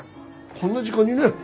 こんな時間にね。